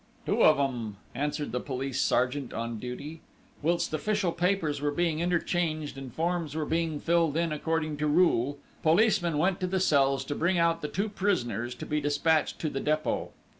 "Two of 'em," answered the police sergeant on duty. Whilst official papers were being interchanged and forms were being filled in according to rule, policemen went to the cells to bring out the two prisoners to be despatched to the Dépôt.